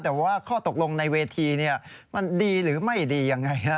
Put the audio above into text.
แต่ว่าข้อตกลงในเวทีมันดีหรือไม่ดียังไงฮะ